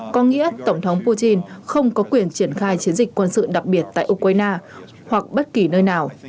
có nghĩa tổng thống putin không có quyền triển khai chiến dịch quân sự đặc biệt tại ukraine hoặc bất kỳ nơi nào